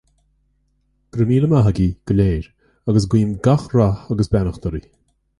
Go raibh míle maith agaibh go léir agus guím gach rath agus beannacht oraibh.